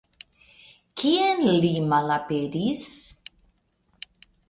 Kien li malaperis?